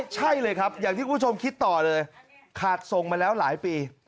ใช่เลยครับอย่างที่คุณผู้ชมคิดต่อเลยขาดส่งมาแล้วหลายปี